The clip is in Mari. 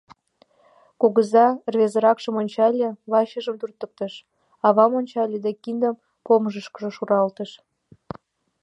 Кугыза рвезыракшым ончале, вачыжым туртыктыш, авам ончале да киндым помышышкыжо шуралтыш.